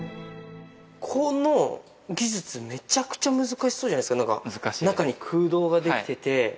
この技術、めちゃくちゃ難しそうじゃないですか、なんか、中に空洞が出来てて。